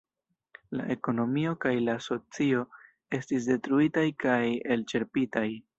La ekonomio kaj la socio estis detruitaj kaj elĉerpitaj.